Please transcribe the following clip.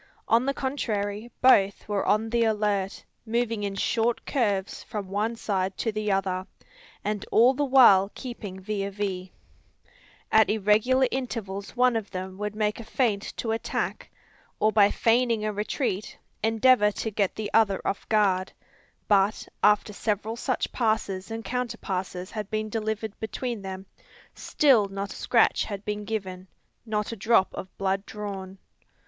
On the contrary, both were on the alert, moving in short curves from one side to the other, and all the while keeping vis a vis. At irregular intervals one of them would make a feint to attack; or by feigning a retreat endeavour to get the other off guard; but, after several such passes and counter passes had been delivered between them, still not a scratch had been given, not a drop of blood drawn.